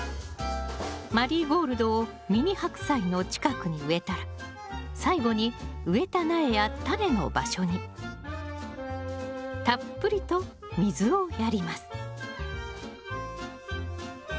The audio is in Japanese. マリーゴールドをミニハクサイの近くに植えたら最後に植えた苗やタネの場所にたっぷりと水をやります